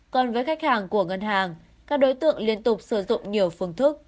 còn với khách hàng của ngân hàng các đối tượng liên tục sử dụng nhiều phương thức